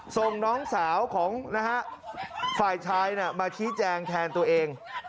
ส่งน้องสาวของนะฮะฝ่ายชายมาชี้แจงแทนตัวเอง